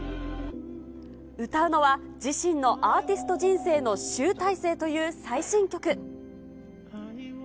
歌うのは、自身のアーティスト人生の集大成という最新曲。